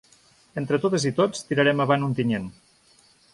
Entre totes i tots, tirarem avant Ontinyent.